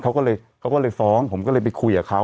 เขาก็เลยฟ้องผมก็เลยไปคุยกับเขา